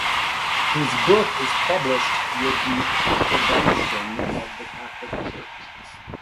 His book is published with the approbation of the Catholic Church.